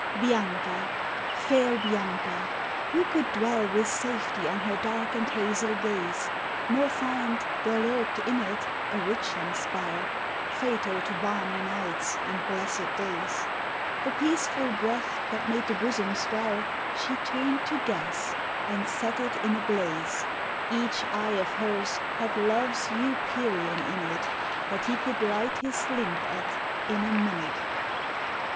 Bianca! fair Bianca! who could dwell With safety on her dark and hazel gaze, Nor find there lurk'd in it a witching spell, Fatal to balmy nights and blessed days? The peaceful breath that made the bosom swell, She turn'd to gas, and set it in a blaze; Each eye of hers had Love's Eupyrion in it, That he could light his link at in a minute.